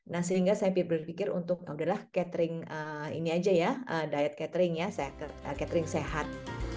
nah sehingga saya berpikir untuk yaudahlah catering ini aja ya diet catering ya catering sehat